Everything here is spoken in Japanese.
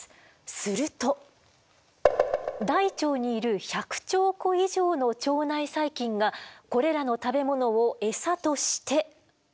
すると大腸にいる１００兆個以上の腸内細菌がこれらの食べ物をエサとして。